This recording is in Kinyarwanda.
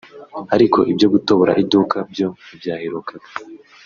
ariko ibyo gutobora iduka byo ntibyaherukaga